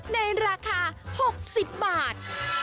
ในราคา๖๐บาท